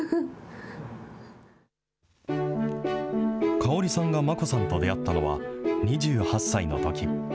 香織さんがマコさんと出会ったのは、２８歳のとき。